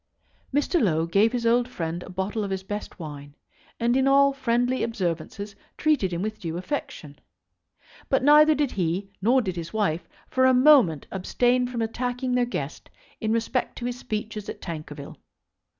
Mr. Low gave his old friend a bottle of his best wine, and in all friendly observances treated him with due affection. But neither did he nor did his wife for a moment abstain from attacking their guest in respect to his speeches at Tankerville.